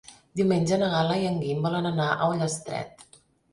Diumenge na Gal·la i en Guim volen anar a Ullastret.